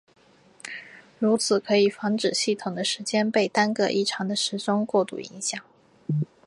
如此可以防止系统的时间被单个异常的时钟过度影响。